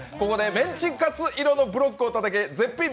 メンチカツ色のブロックをたたけ！